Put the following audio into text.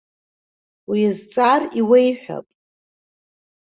Уиазҵаар, иуеиҳәап.